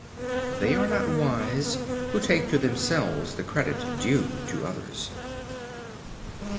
They are not wise who take to themselves the credit due to others.